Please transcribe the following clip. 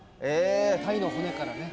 タイの骨からね。